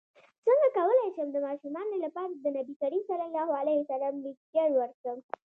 څنګه کولی شم د ماشومانو لپاره د نبي کریم ص لیکچر ورکړم